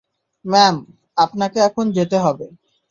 Ma'am, আপনাকে এখন যেতে হবে।